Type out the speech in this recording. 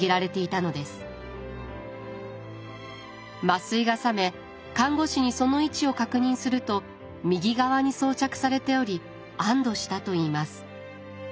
麻酔が覚め看護師にその位置を確認すると右側に装着されており安どしたといいます。